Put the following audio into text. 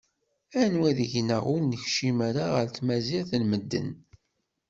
Anwa deg-neɣ ur nekcim ara ɣer tmazirt n medden?